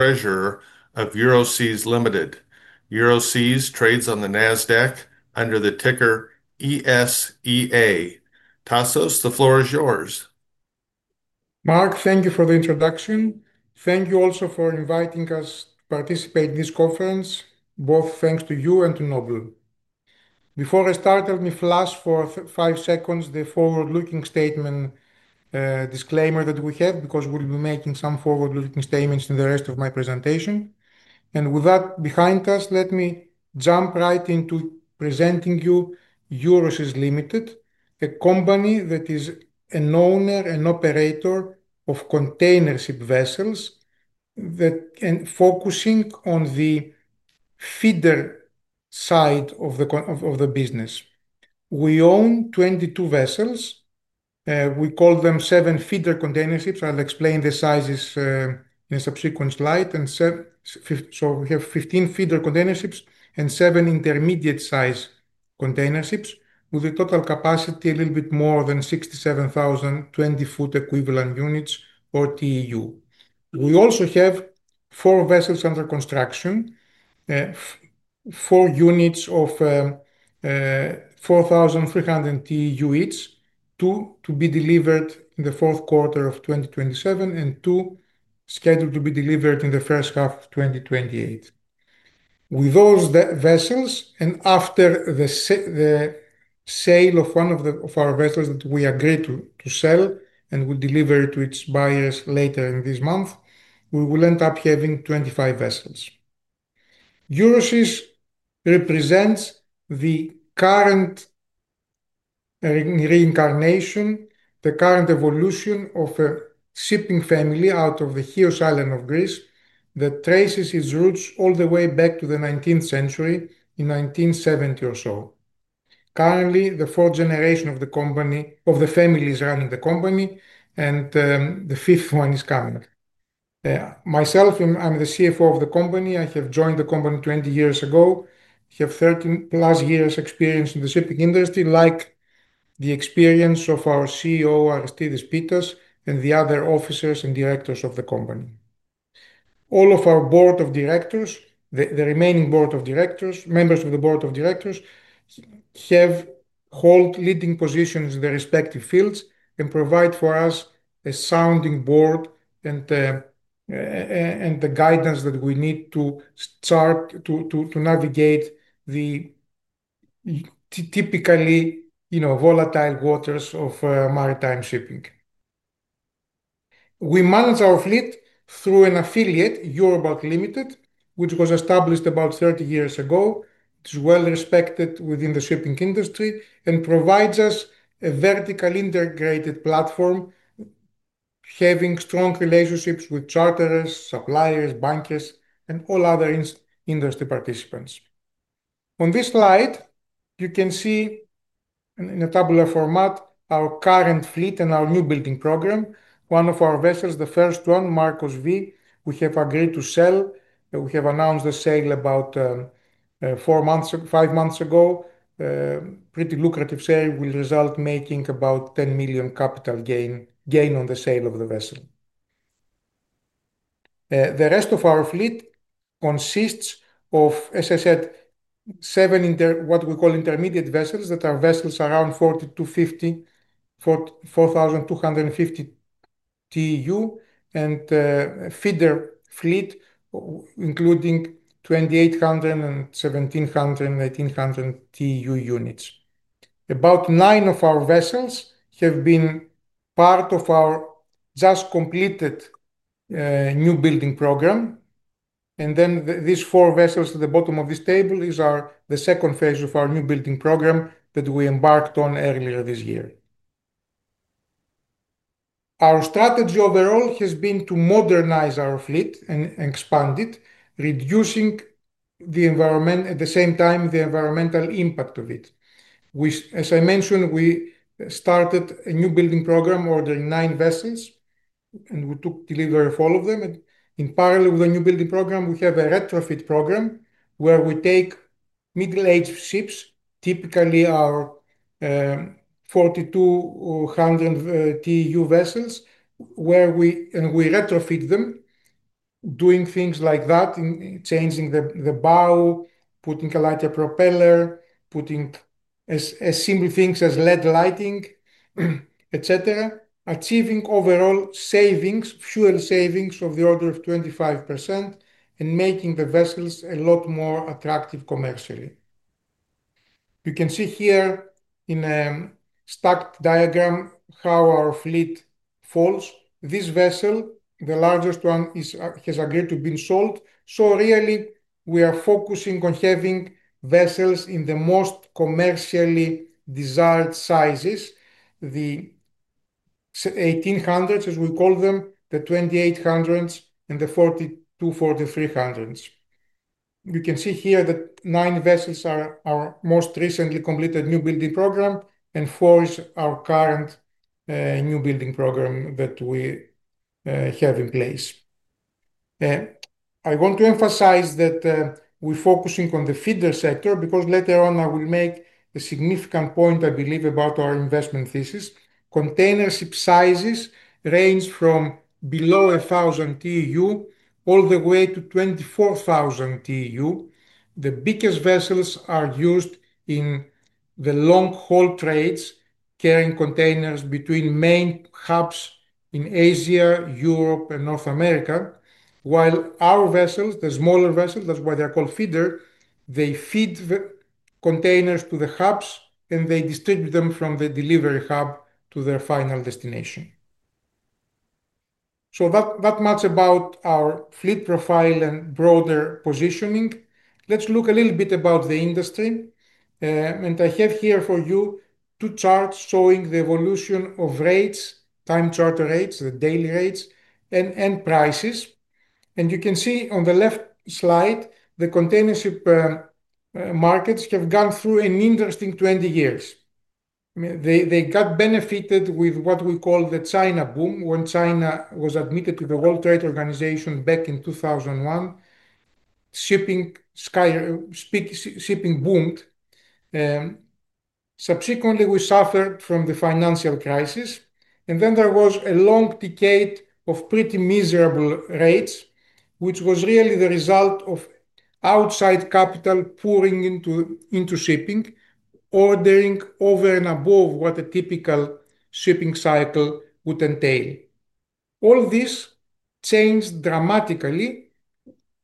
Treasurer of Euroseas Ltd. Euroseas trades on the NASDAQ under the ticker ESEA. Tasos, the floor is yours. Mark, thank you for the introduction. Thank you also for inviting us to participate in this conference. Both thanks to you and to Noble. Before I start, let me flash for five seconds the forward-looking statement disclaimer that we have because we'll be making some forward-looking statements in the rest of my presentation. With that behind us, let me jump right into presenting you Euroseas Ltd., a company that is an owner and operator of container ship vessels that is focusing on the feeder side of the business. We own 22 vessels. We call them seven feeder container ships. I'll explain the sizes in a subsequent slide. We have 15 feeder container ships and seven intermediate-sized container ships with a total capacity a little bit more than 67,000 20-foot equivalent units, or TEU. We also have four vessels under construction, four units of 4,300 TEU each, two to be delivered in the fourth quarter of 2027 and two scheduled to be delivered in the first half of 2028. With those vessels, and after the sale of one of our vessels that we agreed to sell and we deliver it to its buyers later in this month, we will end up having 25 vessels. Euroseas represents the current reincarnation, the current evolution of a shipping family out of the Chios Island of Greece that traces its roots all the way back to the 19th century, in 1970 or so. Currently, the fourth generation of the company, of the families running the company, and the fifth one is coming. Myself, I'm the CFO of the company. I have joined the company 20 years ago. I have 30-plus years of experience in the shipping industry, like the experience of our CEO, Aristides Pittas, and the other officers and directors of the company. All of our board of directors, the remaining board of directors, members of the board of directors, hold leading positions in their respective fields and provide for us a sounding board and the guidance that we need to navigate the typically, you know, volatile waters of maritime shipping. We manage our fleet through an affiliate, Eurobulk Ltd., which was established about 30 years ago. It is well-respected within the shipping industry and provides us a vertically integrated platform, having strong relationships with charterers, suppliers, bankers, and all other industry participants. On this slide, you can see in a tabular format our current fleet and our new building program. One of our vessels, the first one, Marcos V, we have agreed to sell. We have announced the sale about four months, five months ago. A pretty lucrative sale will result in making about $10 million capital gain on the sale of the vessel. The rest of our fleet consists of, as I said, seven what we call intermediate vessels that are vessels around 4,250 TEU and a feeder fleet including 2,800 and 1,700 and 1,800 TEU units. About nine of our vessels have been part of our just completed new building program. These four vessels at the bottom of this table, these are the second phase of our new building program that we embarked on earlier this year. Our strategy overall has been to modernize our fleet and expand it, reducing at the same time the environmental impact of it. As I mentioned, we started a new building program ordering nine vessels, and we took delivery of all of them. In parallel with the new building program, we have a retrofit program where we take middle-aged ships, typically our 4,200 TEU vessels, and we retrofit them, doing things like that, changing the bow, putting a lighter propeller, putting as simple things as LED lighting, etc., achieving overall savings, fuel savings of the order of 25%, and making the vessels a lot more attractive commercially. You can see here in a stacked diagram how our fleet falls. This vessel, the largest one, has agreed to be sold. We are focusing on having vessels in the most commercially desired sizes, the 1,800s, as we call them, the 2,800s, and the 4,200s. You can see here that nine vessels are our most recently completed new building program, and four are our current new building program that we have in place. I want to emphasize that we're focusing on the feeder sector because later on I will make a significant point, I believe, about our investment thesis. Container ship sizes range from below 1,000 TEU all the way to 24,000 TEU. The biggest vessels are used in the long-haul trades, carrying containers between main hubs in Asia, Europe, and North America, while our vessels, the smaller vessels, that's why they're called feeder, they feed the containers to the hubs, and they distribute them from the delivery hub to their final destination. That much about our fleet profile and broader positioning. Let's look a little bit about the industry. I have here for you two charts showing the evolution of rates, time charter rates, the daily rates, and prices. You can see on the left slide, the container ship markets have gone through an interesting 20 years. They got benefited with what we call the China boom. When China was admitted to the World Trade Organization back in 2001, shipping boomed. Subsequently, we suffered from the financial crisis. There was a long decade of pretty miserable rates, which was really the result of outside capital pouring into shipping, ordering over and above what a typical shipping cycle would entail. All this changed dramatically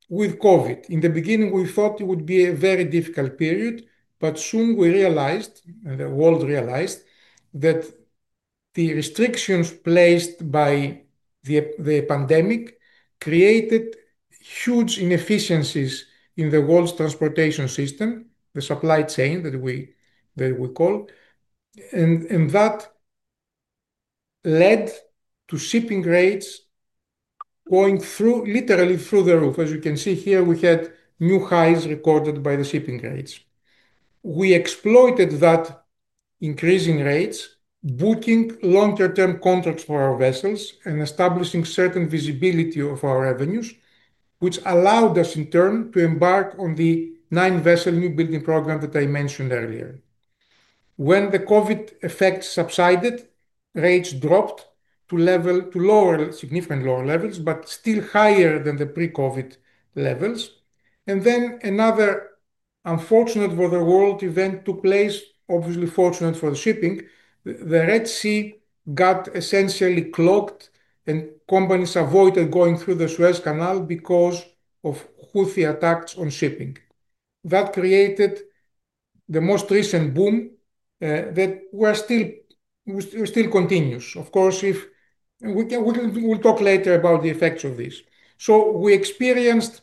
with COVID. In the beginning, we thought it would be a very difficult period, but soon we realized, and the world realized, that the restrictions placed by the pandemic created huge inefficiencies in the world's transportation system, the supply chain that we call. That led to shipping rates going literally through the roof. As you can see here, we had new highs recorded by the shipping rates. We exploited that increase in rates, booking longer-term contracts for our vessels, and establishing certain visibility of our revenues, which allowed us in turn to embark on the nine-vessel newbuilds program that I mentioned earlier. When the COVID effects subsided, rates dropped to significantly lower levels, but still higher than the pre-COVID levels. Another unfortunate for the world event took place, obviously fortunate for shipping. The Red Sea got essentially clogged, and companies avoided going through the Suez Canal because of Houthi attacks on shipping. That created the most recent boom that is still continuous. If we can, we'll talk later about the effects of this. We experienced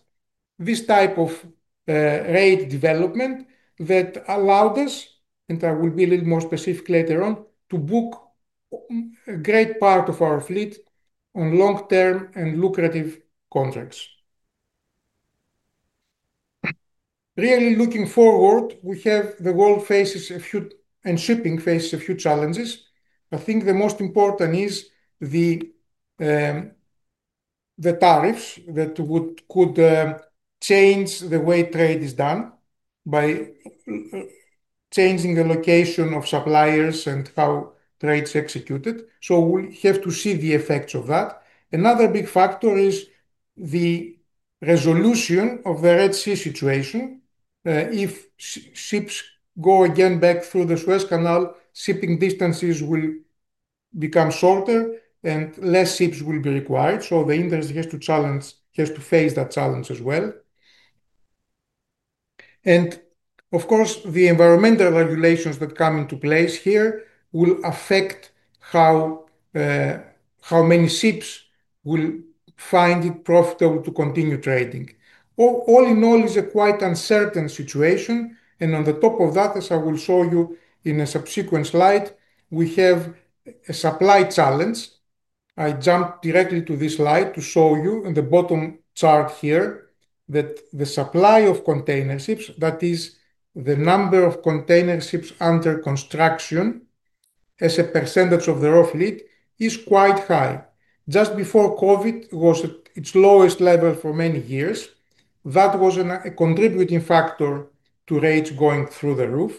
this type of rate development that allowed us, and I will be a little more specific later on, to book a great part of our fleet on long-term and lucrative contracts. Really looking forward, the world faces a few, and shipping faces a few challenges. I think the most important is the tariffs that could change the way trade is done by changing the location of suppliers and how trade is executed. We will have to see the effects of that. Another big factor is the resolution of the Red Sea situation. If ships go again back through the Suez Canal, shipping distances will become shorter, and fewer ships will be required. The industry has to face that challenge as well. Of course, the environmental regulations that come into place here will affect how many ships will find it profitable to continue trading. All in all, it's a quite uncertain situation. On top of that, as I will show you in a subsequent slide, we have a supply challenge. I jumped directly to this slide to show you on the bottom chart here that the supply of container ships, that is the number of container ships under construction as a percent of the raw fleet, is quite high. Just before COVID, it was at its lowest level for many years. That was a contributing factor to rates going through the roof.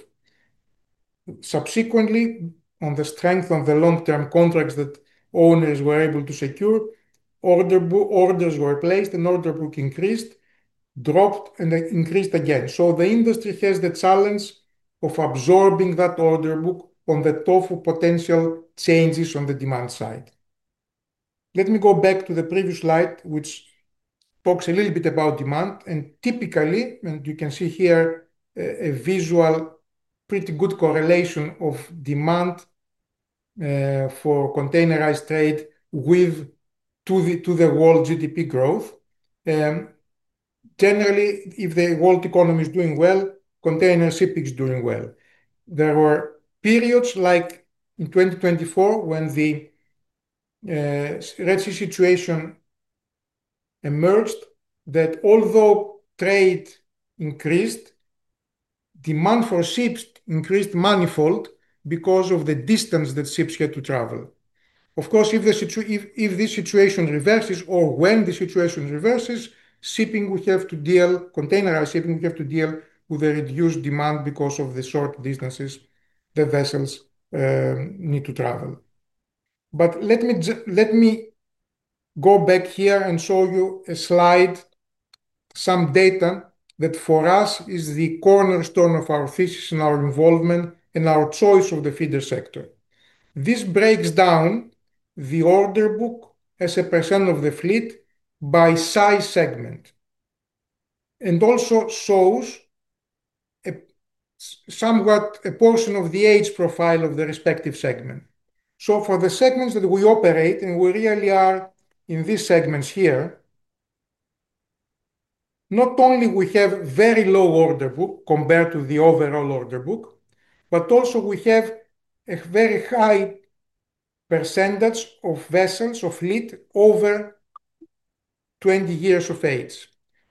Subsequently, on the strength of the long-term contracts that owners were able to secure, orders were placed, and order books increased, dropped, and increased again. The industry has the challenge of absorbing that order book on top of potential changes on the demand side. Let me go back to the previous slide, which talks a little bit about demand. Typically, and you can see here a visual, pretty good correlation of demand for containerized trade with the world GDP growth. Generally, if the world economy is doing well, container shipping is doing well. There were periods like in 2024 when the Red Sea situation emerged that although trade increased, demand for ships increased manifold because of the distance that ships had to travel. Of course, if this situation reverses, or when the situation reverses, shipping would have to deal, containerized shipping would have to deal with a reduced demand because of the short distances the vessels need to travel. Let me go back here and show you a slide, some data that for us is the cornerstone of our thesis and our involvement and our choice of the feeder sector. This breaks down the order book as a percent of the fleet by size segment and also shows somewhat a portion of the age profile of the respective segment. For the segments that we operate, and we really are in these segments here, not only do we have a very low order book compared to the overall order book, but also we have a very high percent of vessels, of fleet over 20 years of age.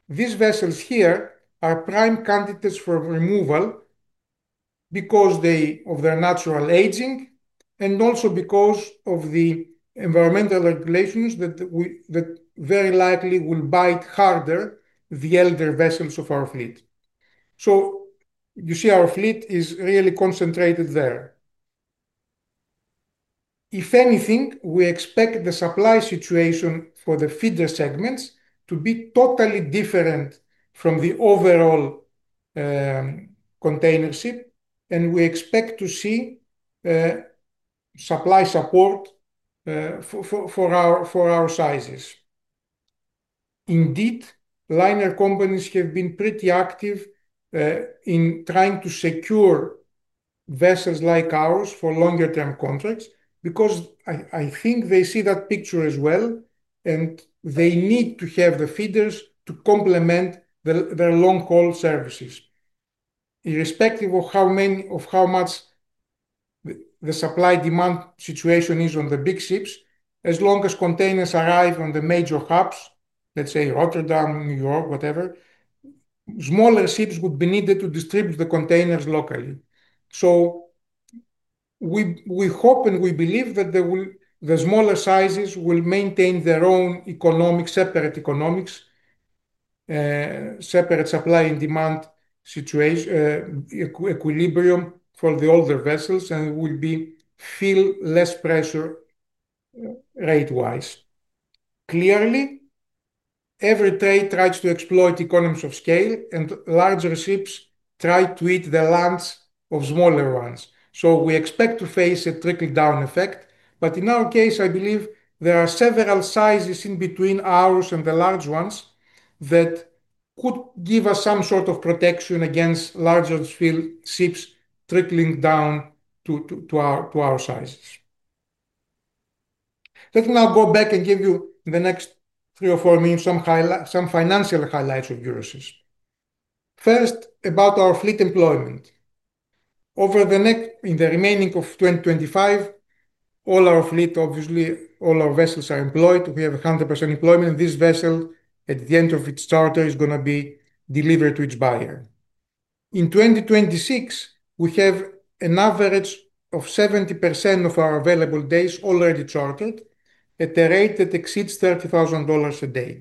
These vessels here are prime candidates for removal because of their natural aging and also because of the environmental regulations that very likely will bite harder the elder vessels of our fleet. You see our fleet is really concentrated there. If anything, we expect the supply situation for the feeder segments to be totally different from the overall container ship, and we expect to see supply support for our sizes. Indeed, liner companies have been pretty active in trying to secure vessels like ours for longer-term contracts because I think they see that picture as well, and they need to have the feeders to complement their long-haul services. Irrespective of how much the supply-demand situation is on the big ships, as long as containers arrive on the major hubs, let's say Rotterdam, New York, whatever, smaller ships would be needed to distribute the containers locally. We hope and we believe that the smaller sizes will maintain their own economics, separate economics, separate supply and demand equilibrium for the older vessels and will feel less pressure rate-wise. Clearly, every trade tries to exploit economies of scale, and larger ships try to eat the lunch of smaller ones. We expect to face a trickle-down effect. In our case, I believe there are several sizes in between ours and the large ones that could give us some sort of protection against larger ships trickling down to our sizes. Let me now go back and give you the next three or four minutes some financial highlights of Euroseas Ltd. First, about our fleet employment. Over the next, in the remaining of 2025, all our fleet, obviously, all our vessels are employed. We have 100% employment. This vessel, at the end of its charter, is going to be delivered to its buyer. In 2026, we have an average of 70% of our available days already chartered at a rate that exceeds $30,000 a day.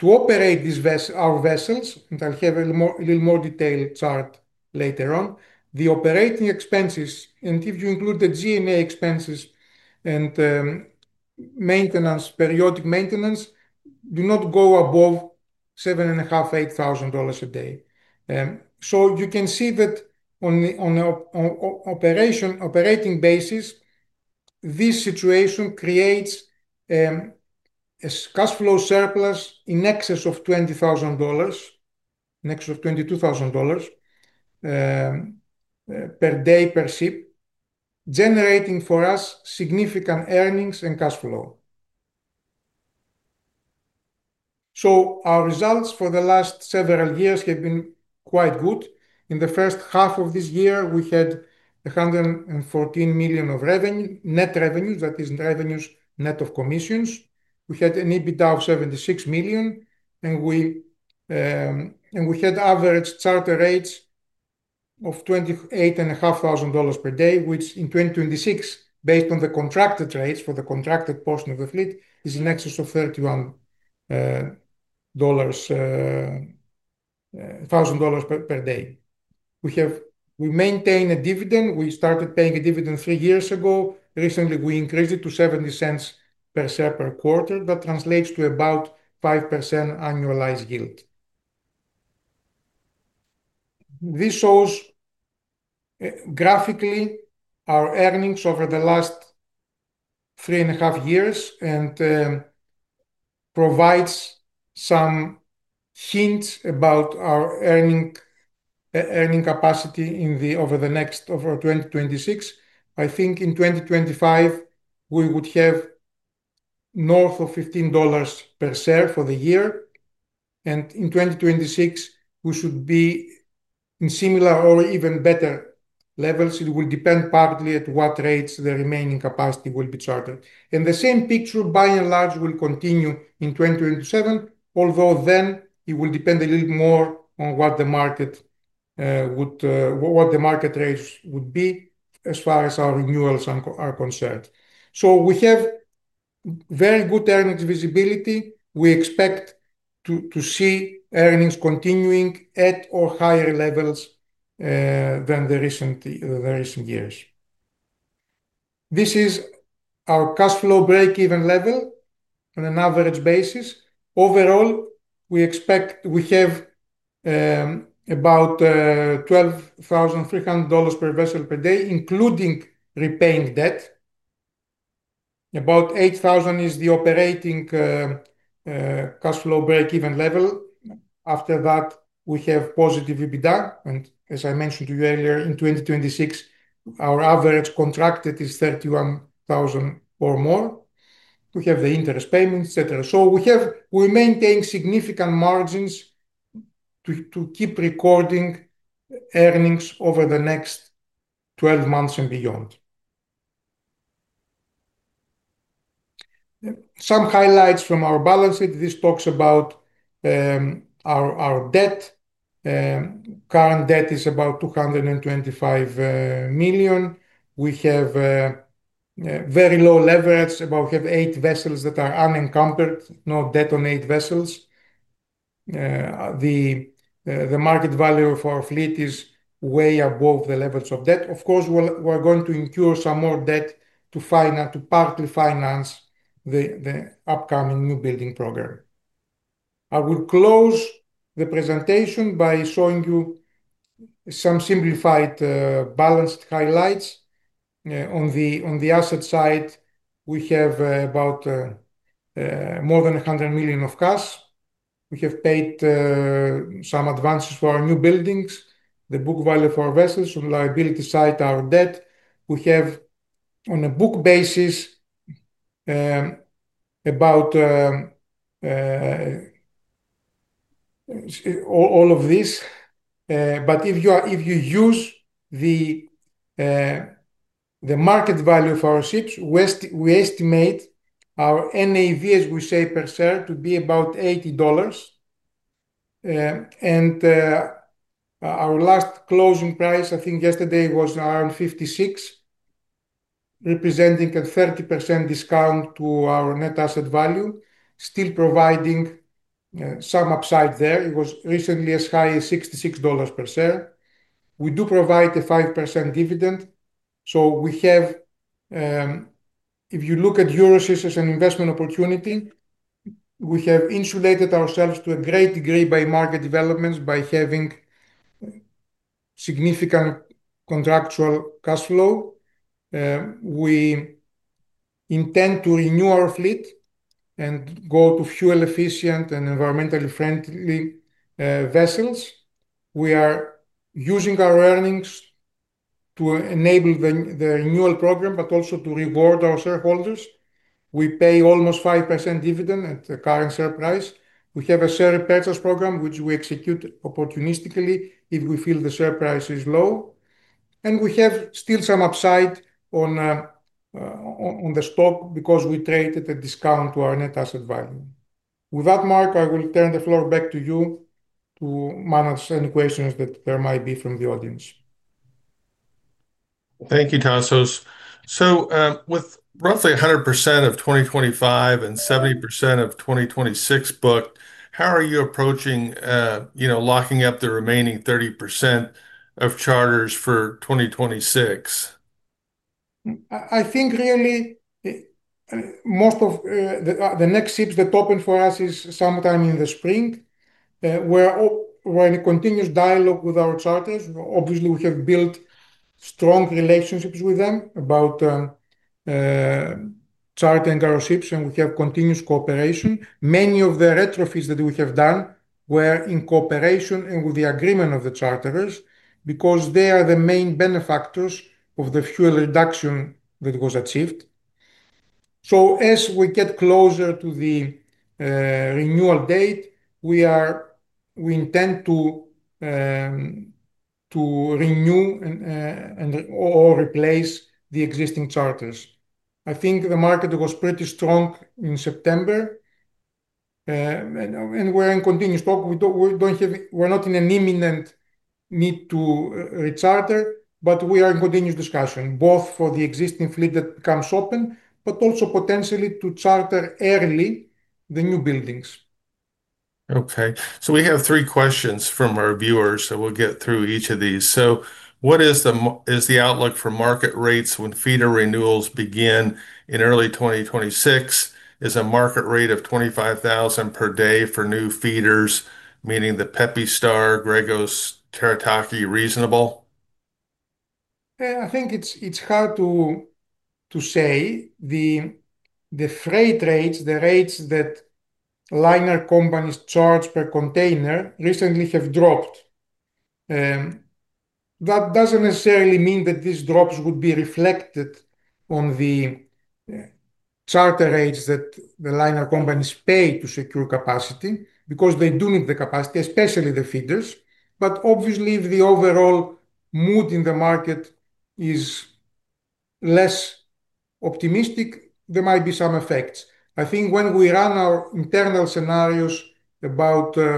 To operate our vessels, and I'll have a little more detailed chart later on, the operating expenses, and if you include the G&A expenses and periodic maintenance, do not go above $7,500, $8,000 a day. You can see that on an operating basis, this situation creates a cash flow surplus in excess of $20,000, in excess of $22,000 per day per ship, generating for us significant earnings and cash flow. Our results for the last several years have been quite good. In the first half of this year, we had $114 million of net revenue, that is net of commissions. We had an EBITDA of $76 million, and we had average charter rates of $28,500 per day, which in 2026, based on the contracted rates for the contracted portion of the fleet, is in excess of $31,000 per day. We maintain a dividend. We started paying a dividend three years ago. Recently, we increased it to $0.70 per quarter. That translates to about 5% annualized yield. This shows graphically our earnings over the last three and a half years and provides some hints about our earning capacity over the next of our 2026. I think in 2025, we would have north of $15 per share for the year. In 2026, we should be in similar or even better levels. It will depend partly at what rates the remaining capacity will be chartered. The same picture, by and large, will continue in 2027, although then it will depend a little more on what the market rates would be as far as our renewals are concerned. We have very good earnings visibility. We expect to see earnings continuing at or higher levels than the recent years. This is our cash flow break-even level on an average basis. Overall, we expect we have about $12,300 per vessel per day, including repaying debt. About $8,000 is the operating cash flow break-even level. After that, we have positive EBITDA. As I mentioned to you earlier, in 2026, our average contracted is $31,000 or more. We have the interest payments, etc. We maintain significant margins to keep recording earnings over the next 12 months and beyond. Some highlights from our balance sheet. This talks about our debt. Current debt is about $225 million. We have very low leverage. We have eight vessels that are unencumbered, no debt on eight vessels. The market value of our fleet is way above the levels of debt. Of course, we're going to incur some more debt to finance, to partly finance the upcoming new building program. I will close the presentation by showing you some simplified balance highlights. On the asset side, we have about more than $100 million of cash. We have paid some advances for our newbuilds. The book value of our vessels, on the liability side, are debt. We have, on a book basis, about all of this. If you use the market value of our ships, we estimate our NAV, as we say, per share to be about $80. Our last closing price, I think yesterday, was around $56, representing a 30% discount to our net asset value, still providing some upside there. It was recently as high as $66 per share. We do provide a 5% dividend. If you look at Euroseas Ltd. as an investment opportunity, we have insulated ourselves to a great degree by market developments, by having significant contractual cash flow. We intend to renew our fleet and go to fuel-efficient and environmentally friendly vessels. We are using our earnings to enable the renewal program, but also to reward our shareholders. We pay almost 5% dividend at the current share price. We have a share purchase program, which we execute opportunistically if we feel the share price is low. We have still some upside on the stock because we trade at a discount to our net asset value. With that, Mark, I will turn the floor back to you to manage any questions that there might be from the audience. Thank you, Tasos. With roughly 100% of 2025 and 70% of 2026 booked, how are you approaching locking up the remaining 30% of charters for 2026? I think really most of the next ships that open for us is sometime in the spring. We're in a continuous dialogue with our charters. Obviously, we have built strong relationships with them about chartering our ships, and we have continuous cooperation. Many of the retrofits that we have done were in cooperation and with the agreement of the charters because they are the main benefactors of the fuel reduction that was achieved. As we get closer to the renewal date, we intend to renew and/or replace the existing charters. I think the market was pretty strong in September, and we're in continuous talk. We're not in an imminent need to recharter, but we are in continuous discussion, both for the existing fleet that comes open, but also potentially to charter early the newbuilds. Okay. We have three questions from our viewers, so we'll get through each of these. What is the outlook for market rates when feeder renewals begin in early 2026? Is a market rate of $25,000 per day for new feeders, meaning the Peppi Star, Gregos, Terataki, reasonable? I think it's hard to say. The freight rates, the rates that liner companies charge per container, recently have dropped. That doesn't necessarily mean that these drops would be reflected on the charter rates that the liner companies pay to secure capacity because they do need the capacity, especially the feeders. Obviously, if the overall mood in the market is less optimistic, there might be some effects. I think when we run our internal scenarios about the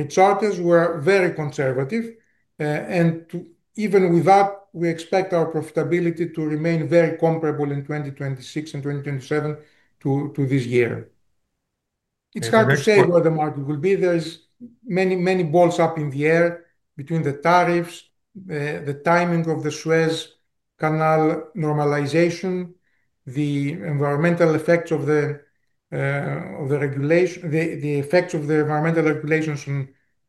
recharters, we're very conservative, and even with that, we expect our profitability to remain very comparable in 2026 and 2027 to this year. It's hard to say where the market will be. There are many, many balls up in the air between the tariffs, the timing of the Suez Canal normalization, the environmental effects of the regulation, the effects of the environmental regulations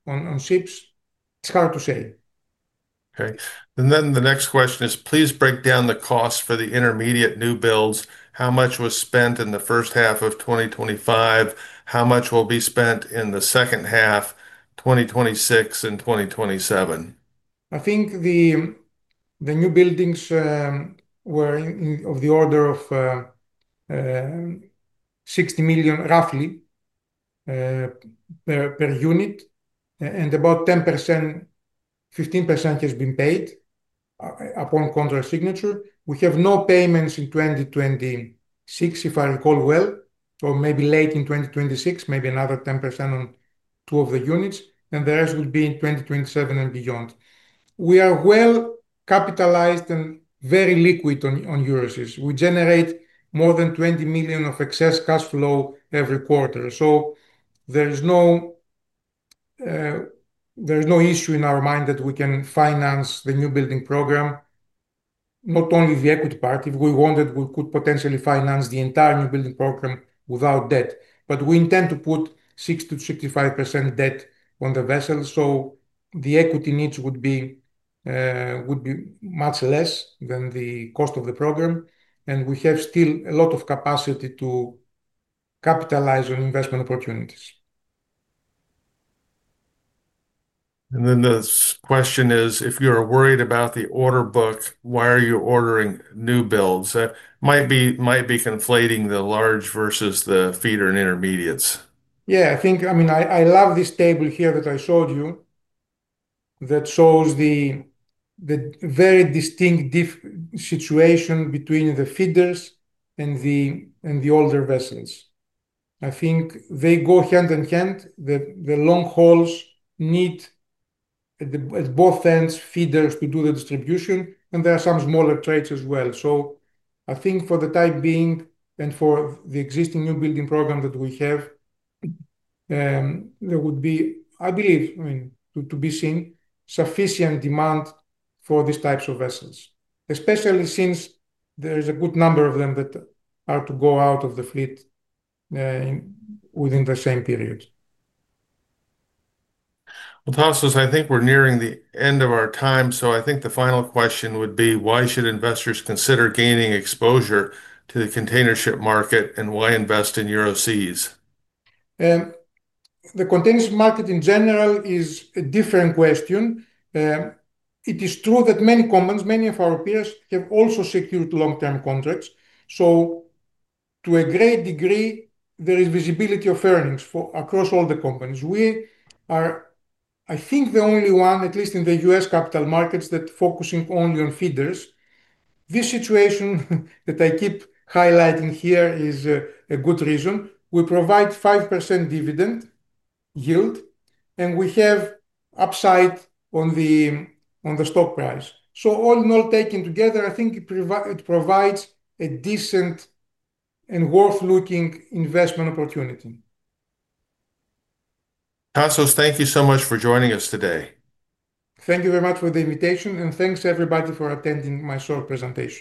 on ships. It's hard to say. Okay. The next question is, please break down the costs for the intermediate newbuilds. How much was spent in the first half of 2025? How much will be spent in the second half, 2026, and 2027? I think the newbuilds were in the order of $60 million, roughly, per unit, and about 10%, 15% has been paid upon contract signature. We have no payments in 2026, if I recall well, or maybe late in 2026, maybe another 10% on two of the units, and the rest would be in 2027 and beyond. We are well capitalized and very liquid on Euroseas. We generate more than $20 million of excess cash flow every quarter. There is no issue in our mind that we can finance the newbuilding program, not only the equity part. If we wanted, we could potentially finance the entire newbuilding program without debt. We intend to put 60% to 65% debt on the vessel, so the equity needs would be much less than the cost of the program. We have still a lot of capacity to capitalize on investment opportunities. The question is, if you're worried about the order book, why are you ordering newbuilds? That might be conflating the large versus the feeder and intermediates. Yeah, I think, I mean, I love this table here that I showed you that shows the very distinct situation between the feeders and the older vessels. I think they go hand in hand. The long hauls need, at both ends, feeders to do the distribution, and there are some smaller trades as well. I think for the time being and for the existing new building program that we have, there would be, I believe, to be seen, sufficient demand for these types of vessels, especially since there is a good number of them that are to go out of the fleet within the same period. Tasos, I think we're nearing the end of our time. I think the final question would be, why should investors consider gaining exposure to the container ship market and why invest in Euroseas? The container ship market in general is a different question. It is true that many companies, many of our peers, have also secured long-term contracts. To a great degree, there is visibility of earnings across all the companies. We are, I think, the only one, at least in the U.S. capital markets, that's focusing only on feeders. This situation that I keep highlighting here is a good reason. We provide 5% dividend yield, and we have upside on the stock price. All in all, taken together, I think it provides a decent and worth-looking investment opportunity. Tasos, thank you so much for joining us today. Thank you very much for the invitation, and thanks everybody for attending my short presentation.